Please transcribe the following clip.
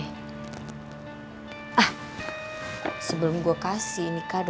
ah sebelum gue kasih ini kak